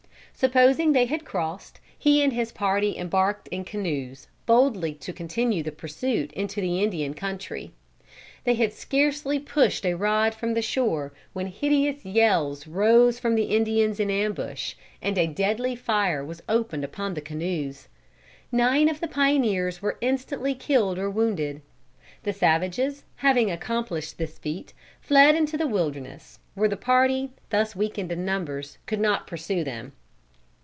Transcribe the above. Supposing they had crossed, he and his party embarked in canoes, boldly to continue the pursuit into the Indian country. They had scarcely pushed a rod from the shore when hideous yells rose from the Indians in ambush, and a deadly fire was opened upon the canoes. Nine of the pioneers were instantly killed or wounded. The savages, having accomplished this feat, fled into the wilderness, where the party, thus weakened in numbers, could not pursue them.